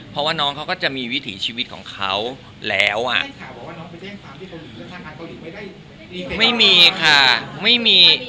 เพราะว่าน้องเขาก็จะมีวิถีชีวิตของเขาแล้วอ่ะไม่มีค่ะไม่มี